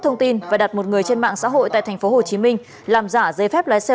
thông tin và đặt một người trên mạng xã hội tại thành phố hồ chí minh làm giả giấy phép lái xe